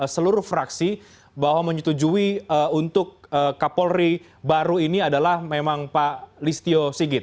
seluruh fraksi bahwa menyetujui untuk kapolri baru ini adalah memang pak listio sigit